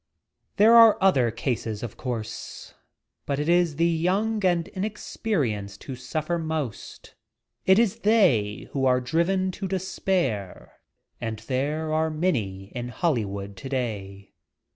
There are other cases, of course. For it is the young and inexperienced who suffer most. It is they who are driven to despair, and there are many in Hollywood today.